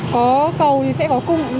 có cầu thì sẽ có cung